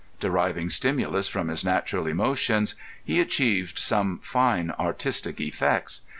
Deriving stimulus from his natural emotions, he achieved some fine artistic effects.